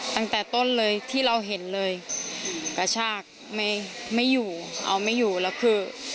ตั้งแต่ต้นเลยที่เราเห็นเลยกระชากไม่ไม่อยู่เอาไม่อยู่แล้วคือ